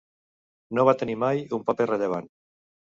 No va tenir mai un paper rellevant.